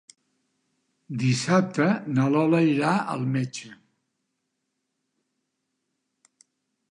Dissabte na Lola irà al metge.